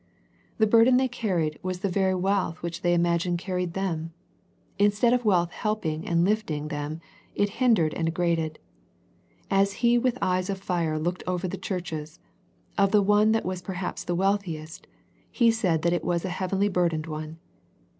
The burden they carried was the very wealth which they imagined carried them. Instead of wealth helping and lifting them, it hindered and de graded. As He with eyes of fire looked over the churches, of the one that was perhaps the wealthiest. He said it was a heavily burdened one.